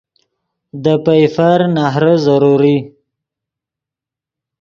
دے پئیفر نہرے ضروری